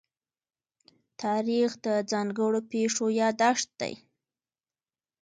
تاریخ د ځانګړو پېښو يادښت دی.